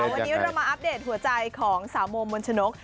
วันนี้เรามาอัปเดตหัวใจของสาวโมมมนชนก